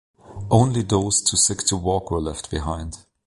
Only those too sick to walk were left behind.